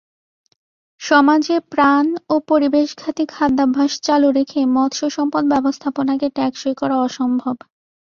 সমাজে প্রাণ ও পরিবেশঘাতী খাদ্যাভ্যাস চালু রেখে মৎস্যসম্পদ ব্যবস্থাপনাকে টেকসই করা অসম্ভব।